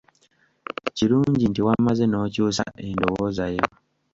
Kirungi nti wamaze n’okyusa endowooza yo.